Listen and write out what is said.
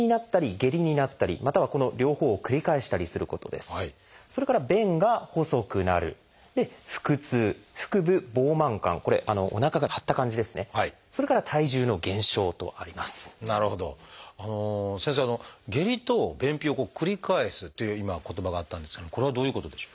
下痢と便秘を繰り返すっていう今言葉があったんですけどもこれはどういうことでしょう？